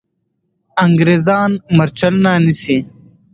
انګریزان مرچلونه نیسي.